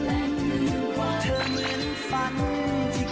เธอเหมือนฝันที่กลายเป็นจริง